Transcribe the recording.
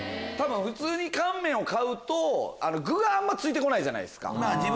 普通に乾麺を買うと具が付いて来ないじゃないですか。